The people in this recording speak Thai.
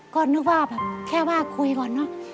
ก็นึกว่าแบบแค่ว่าคุยก่อนเนอะ